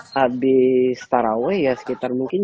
habis taraweh ya sekitar mungkin